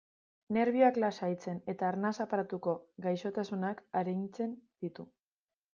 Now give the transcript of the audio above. Nerbioak lasaitzen eta arnas aparatuko gaixotasunak arintzen ditu.